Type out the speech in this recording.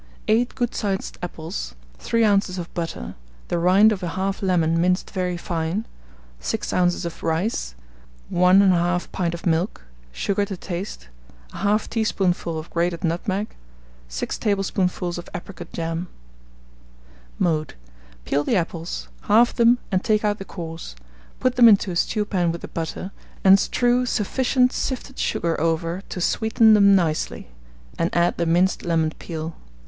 8 good sized apples, 3 oz. of butter, the rind of 1/2 lemon minced very fine, 6 oz. of rice, 1 1/2 pint of milk, sugar to taste, 1/2 teaspoonful of grated nutmeg, 6 tablespoonfuls of apricot jam. Mode. Peel the apples, halve them, and take out the cores; put them into a stewpan with the butter, and strew sufficient sifted sugar over to sweeten them nicely, and add the minced lemon peel.